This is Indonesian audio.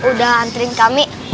udah anterin kami